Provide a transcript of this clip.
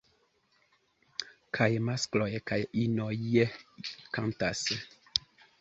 Kaj maskloj kaj inoj kantas.